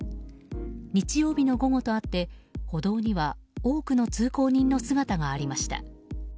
日曜日の午後とあって歩道には多くの通行人の姿がありました。